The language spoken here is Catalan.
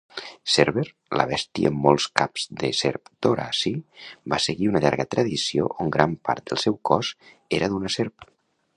Cèrber, la bèstia amb molts caps de serp d'Horaci, va seguir una llarga tradició on gran part del seu cos era d'una serp.